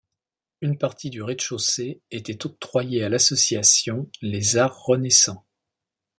Une partie du rez-de-chaussée était octroyée à l'association Les Arts renaissants.